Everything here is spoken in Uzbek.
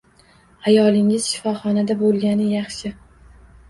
Ayolingiz shifoxonada bo`lgani yaxshi